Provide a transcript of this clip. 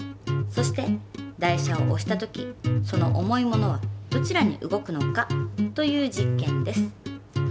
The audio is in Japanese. そして台車を押した時その重いものはどちらに動くのかという実験です」。